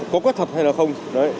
có quét thật hay là không